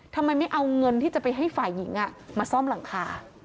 ทำไมไม่เอาเงินที่จะไปให้ฝ่ายหญิงมาซ่อมหลังคา